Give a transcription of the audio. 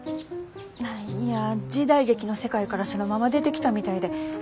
何や時代劇の世界からそのまま出てきたみたいで。